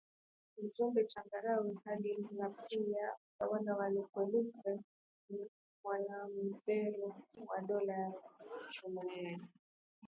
Mzumbe Changarawe hadi MlaliPia utawala wa Lukwele Mwanamzeru wa Dola ya Choma yaani